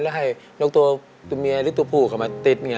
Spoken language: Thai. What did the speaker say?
แล้วให้ยกตัวตัวเมียหรือตัวผู้เข้ามาติดไง